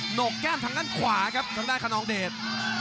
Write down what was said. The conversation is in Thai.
หกแก้มทางด้านขวาครับทางด้านคนนองเดช